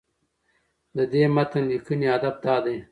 د دې متن لیکنې هدف دا دی